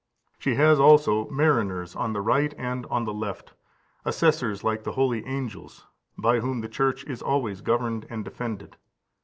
She has also mariners on the right and on the left, assessors like the holy angels, by whom the Church is always governed and defended.